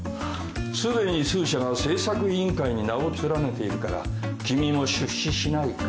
すでに数社が製作委員会に名を連ねているから君も出資しないか？